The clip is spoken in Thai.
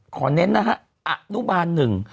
เน้นนะฮะอนุบาลหนึ่ง